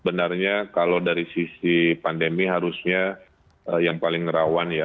sebenarnya kalau dari sisi pandemi harusnya yang paling rawan ya